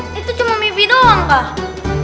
makanan dalam mibi doang kak